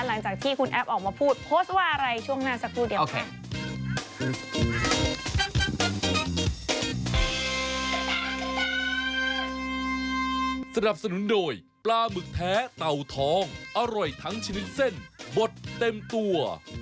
หลังจากที่คุณแอฟออกมาพูดโพสต์ว่าอะไรช่วงหน้าสักครู่เดียวค่ะ